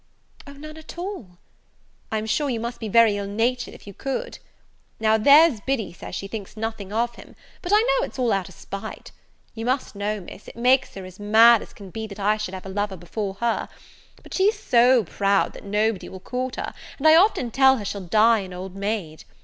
"O, none at all!" "I'm sure you must be very ill natured if you could. Now there's Biddy says she thinks nothing of him, but I know it's all out of spite. You must know, Miss, it makes her as mad as can be that I should have a lover before her; but she's so proud that nobody will court her, and I often tell her she'll die an old maid.